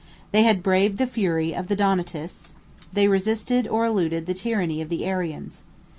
They had braved the fury of the Donatists; 122 they resisted, or eluded, the tyranny of the Arians.